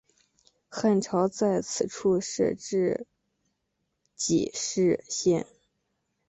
汉朝在此处设置己氏县。